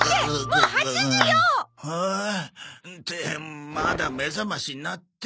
ってまだ目覚まし鳴って。